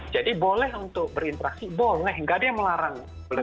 jadi boleh untuk berinteraksi boleh tidak ada yang melarang